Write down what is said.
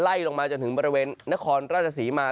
ไล่ลงมาจนถึงบรรณิเวณนครราชสีฯมา